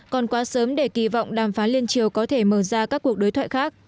còn quá sớm để kỳ vọng đàm phán liên triều có thể mở ra các cuộc đối thoại khác